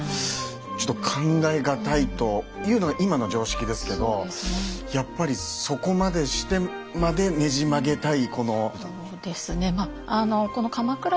ちょっと考え難いというのが今の常識ですけどやっぱりそこまでしてまでねじ曲げたいこの。